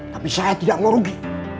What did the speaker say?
tapi saya tidak mau rugi